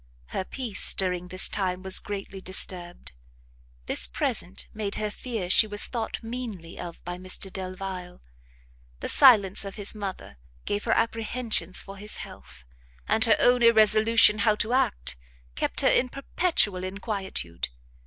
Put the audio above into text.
Her peace, during this time, was greatly disturbed; this present made her fear she was thought meanly of by Mr Delvile; the silence of his mother gave her apprehensions for his health, and her own irresolution how to act, kept her in perpetual inquietude.